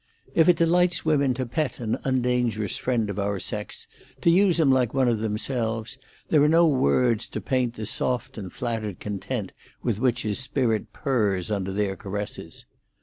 If it delights women to pet an undangerous friend of our sex, to use him like one of themselves, there are no words to paint the soft and flattered content with which his spirit purrs under their caresses.